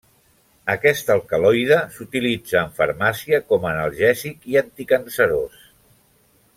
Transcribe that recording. Aquest alcaloide s'utilitza en farmàcia com analgèsic i anticancerós.